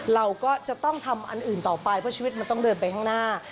เราก็จะต้องทำอันอื่นต่อไปเพราะชีวิตมันต้องเดินไปข้างหน้า